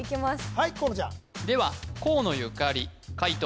はい河野ちゃんでは河野ゆかり解答